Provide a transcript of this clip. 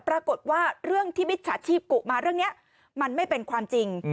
ปรากฏว่าเรื่องที่มิจฉาชีพกุมาเรื่องนี้มันไม่เป็นความจริง